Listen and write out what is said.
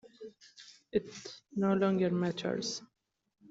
It no longer matters.